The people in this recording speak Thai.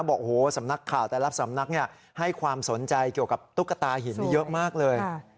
บอกโอ้โหสำนักข่าวแต่ละสำนักให้ความสนใจเกี่ยวกับตุ๊กตาหินนี้เยอะมากเลย